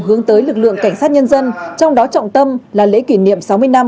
hướng tới lực lượng cảnh sát nhân dân trong đó trọng tâm là lễ kỷ niệm sáu mươi năm